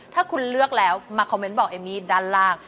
ถ้าคุณเลือกแล้วมาคอมเมนต์บอกเอมมี่ด้านล่าง